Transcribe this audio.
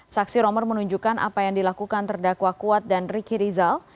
saksi romer menunjukkan apa yang dilakukan terdakwa kuat dan riki rizal